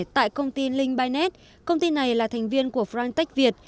tại công ty linh binet công ty này là thành viên của frank tech việt